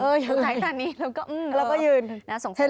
เออยังไงแล้วก็แล้วก็ยืนฮัลโหล